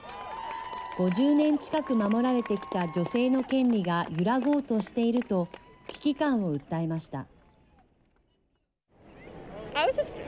５０年近く守られてきた女性の権利が揺らごうとしていると危機感を訴えました。